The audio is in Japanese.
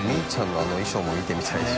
あの衣装も見てみたいし。